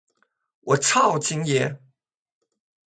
我超，京爷